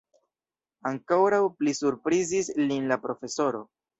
Ankoraŭ pli surprizis lin la profesoro.